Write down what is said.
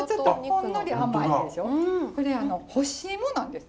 これ干し芋なんです。